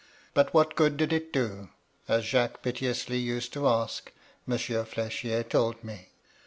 But what good did it do? as Jacques piteously used ta aak^ Monsieur Hechier told me.